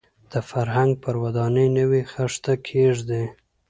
د فرهنګ پر ودانۍ نوې خښته کېږدي.